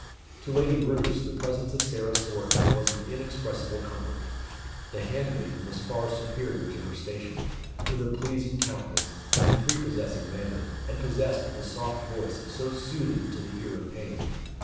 To Lady Roos, the presence of Sarah Swarton was an inexpressible comfort. The handmaiden was far superior to her station, with a pleasing countenance, and prepossessing manner, and possessed of the soft voice so soothing to the ear of pain.